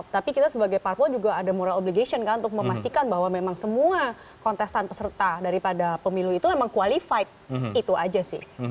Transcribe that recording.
tapi kita sebagai parpol juga ada moral obligation kan untuk memastikan bahwa memang semua kontestan peserta daripada pemilu itu memang qualified itu aja sih